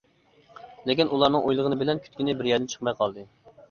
لېكىن ئۇلارنىڭ ئويلىغىنى بىلەن كۈتكىنى بىر يەردىن چىقماي قالدى.